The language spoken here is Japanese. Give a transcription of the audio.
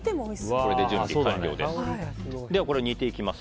これで準備完了です。